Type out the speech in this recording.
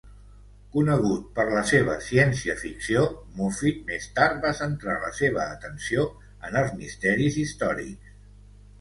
Conegut per la seva ciència-ficció, Moffitt més tard va centrar la seva atenció en els misteris històrics.